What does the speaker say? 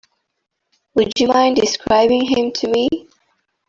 Would you mind describing him to me?